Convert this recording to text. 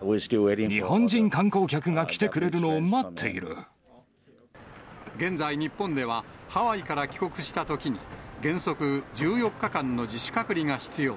日本人観光客が来てくれるの現在、日本ではハワイから帰国したときに、原則１４日間の自主隔離が必要。